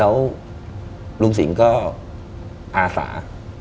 แล้วลุงสิ่งก็อาศา